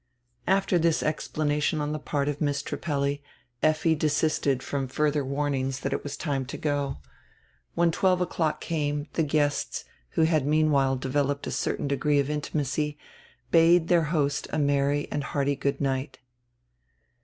After this explanation on the part of Miss Trippelli, Effi desisted from further warnings that it was time to go. When twelve o'clock came, the guests, who had meanwhile developed a certain degree of intimacy, bade their host a merry and hearty good night.